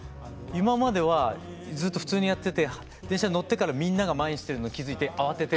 今まではずっと普通にやってて電車に乗ってからみんなが前にしてるのに気付いて慌てて。